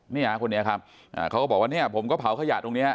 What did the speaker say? เนี่ยคนนี้ครับเขาก็บอกว่าเนี่ยผมก็เผาขยะตรงนี้